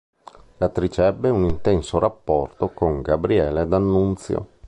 L'attrice ebbe un intenso rapporto con Gabriele D'Annunzio.